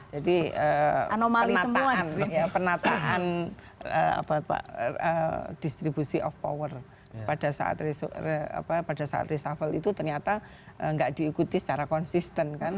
jadi penataan distribusi of power pada saat reshuffle itu ternyata nggak diikuti secara konsisten kan